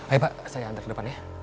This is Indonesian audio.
ayo pak saya hantar ke depan ya